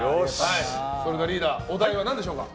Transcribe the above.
それではリーダー小田井は何でしょうか？